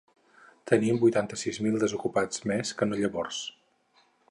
Tenim vuitanta-sis mil desocupats més que no llavors.